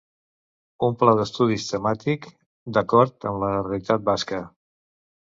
Un pla d'estudis temàtic d'acord amb la realitat basca.